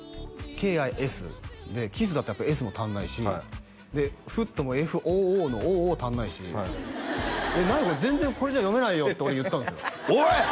「Ｋｉｓ」で「Ｋｉｓｓ」だとやっぱり「Ｓ」も足んないしで「Ｆｔ」も「Ｆｏｏ」の「ｏｏ」足んないし「何？これ全然これじゃ読めないよ」って俺言ったんですよおい！